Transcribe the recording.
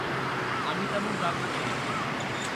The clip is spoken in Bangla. আমি তেমন রান্না করি না।